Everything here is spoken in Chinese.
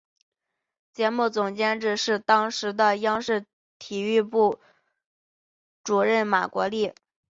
节目总监制是当时的央视体育部主任马国力。